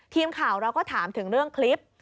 ทีมข่าวเราก็ถามถึงเรื่องคลิป